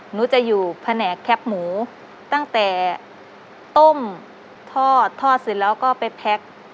หนูจะอยู่แผนกแคปหมูตั้งแต่ต้มทอดทอดเสร็จแล้วก็ไปแพ็ค